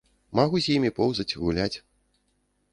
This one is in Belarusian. Магу з імі поўзаць, гуляць.